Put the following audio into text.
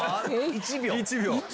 １秒？